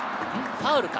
ファウルか？